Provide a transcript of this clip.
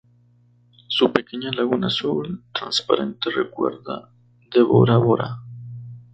Su pequeña laguna azul transparente recuerda de Bora Bora.